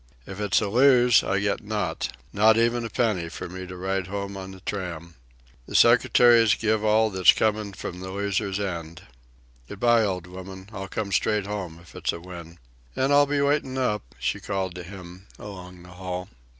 If it's a lose, I get naught not even a penny for me to ride home on the tram. The secretary's give all that's comin' from a loser's end. Good bye, old woman. I'll come straight home if it's a win." "An' I'll be waitin' up," she called to him along the hall.